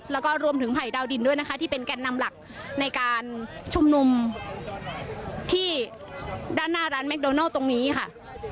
แล้วก็รวมถึงภัยดาวดินด้วยนะคะที่เป็นแก่นนำหลักในการชุมนุมที่ด้านหน้าร้านเคโดนัลตรงนี้ค่ะ